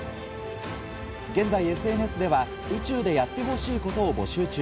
現在ＳＮＳでは宇宙でやってほしいことを募集中。